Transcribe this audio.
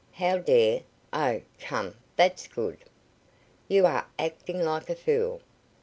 "How dare? Oh, come, that's good." "You are acting like a fool!"